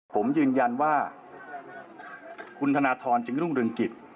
ผมยืนยันว่าคุณธนทรจึงรุ่งเรืองกิจ